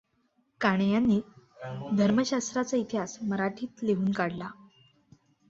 काणे यांनी धर्मशास्त्राचा इतिहास मराठीत लिहून काढला.